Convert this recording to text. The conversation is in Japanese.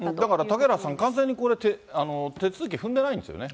だから嵩原さん、完全にこれ、手続き踏んでないんですよね。